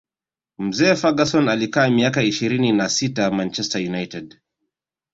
mzee Ferguson alikaa miaka ishirini na sita manchester united